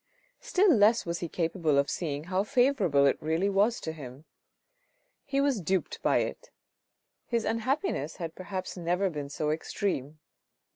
Still less was he capable of seeing how favourable it really was to him. He was duped by it. His unhappiness had perhaps never been so extreme.